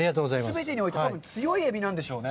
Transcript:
全てにおいて強いエビなんでしょうね。